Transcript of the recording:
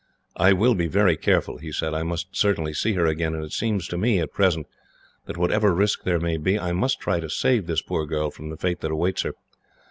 "I will be very careful," he said. "I must certainly see her again, and it seems to me, at present, that whatever risk there may be, I must try to save this poor girl from the fate that awaits her.